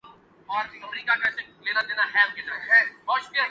جبکہ یوشیدا کے حصے میں کانسی کا تمغہ آیا